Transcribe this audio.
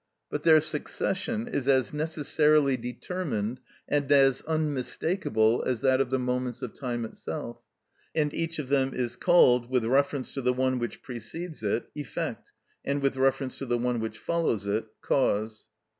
But their succession is as necessarily determined and as unmistakable as that of the moments of time itself, and each of them is called, with reference to the one which precedes it, "effect," and with reference to the one which follows it, "cause."